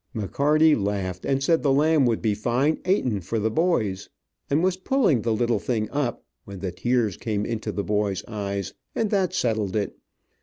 McCarty laughed, and said the lamb would be fine 'atin for the boy's, and was pulling the little thing up, when the tears came into the boy's eyes, and that settled it.